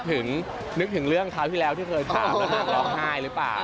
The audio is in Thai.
เลยเมื่อนี้นึกถึงเรื่องคราวที่เคยถามเรียกลงร้องไห้รึป่าว